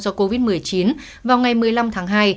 do covid một mươi chín vào ngày một mươi năm tháng hai